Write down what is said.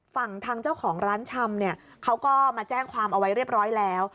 ฝั่งทางเจ้าของร้านชำเนี่ยเขาก็มาแจ้งความเอาไว้เรียบร้อยแล้ว